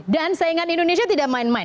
saingan indonesia tidak main main